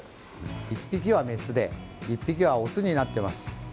１匹はメスで１匹はオスになってます。